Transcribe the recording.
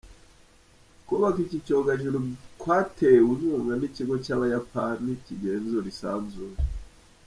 Kubaka iki cyogajuru kwatewe inkunga n’Ikigo cy’Abayapani kigenzura isanzure.